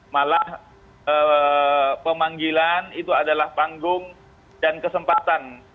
malah pemanggilan itu adalah panggung dan kesempatan